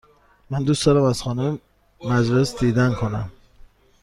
من دوست دارم از خانه مجلس دیدن کنم.